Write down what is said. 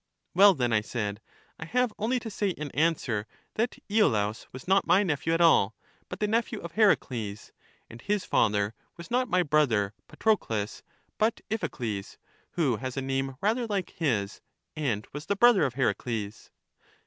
Well then, I said, I have only to say in answer, that lolaus was not my nephew at all, but the nephew of Heracles; and his father was not my brother Pa troeles, but Iphicles, who has a name rather like his, and was the brother of Heracles.